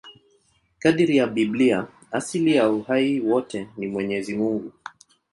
Kadiri ya Biblia, asili ya uhai wote ni Mwenyezi Mungu.